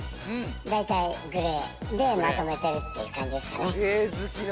大体グレーでまとめてるっていう感じですかね。